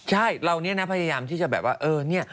ใช่เราเนี่ยนะพยายามที่จะแบบว่าเออเนี่ย